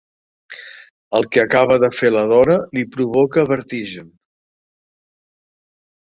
El que acaba de fer la Dora li provoca vertigen.